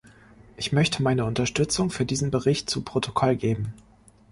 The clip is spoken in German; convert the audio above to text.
Ich möchte meine Unterstützung für diesen Bericht zu Protokoll geben.